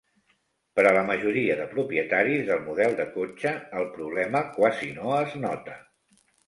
Per a la majoria de propietaris del model de cotxe, el problema quasi no es nota.